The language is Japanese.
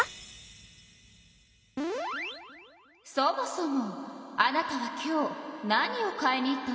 そもそもあなたは今日何を買いに行ったの？